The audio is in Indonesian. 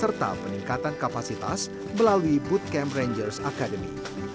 serta peningkatan kapasitas melalui bootcamp rangers academy